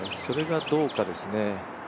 それがどうかですね。